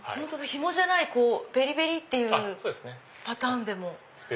ひもじゃないベリベリっていうパターンでも。